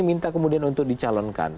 minta kemudian untuk dicalonkan